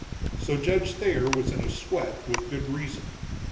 So Judge Thayer was in a sweat with good reason.